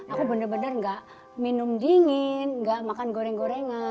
aku benar benar nggak minum dingin nggak makan goreng gorengan